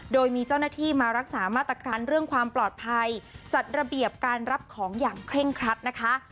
โดยมีเจ้าหน้าที่มารักษามาตรการเรื่องความปลอดภัยจัดระเบียบการรับของอย่างเคร่งครัดนะคะ